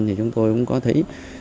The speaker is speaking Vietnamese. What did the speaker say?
thì chúng tôi cũng có thấy